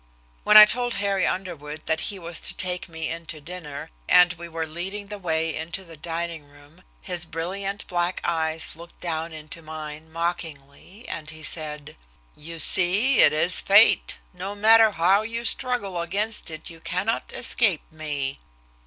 When I told Harry Underwood that he was to take me in to dinner, and we were leading the way into the dining room, his brilliant black eyes looked down into mine mockingly, and he said: "You see it is Fate. No matter how you struggle against it you cannot escape me."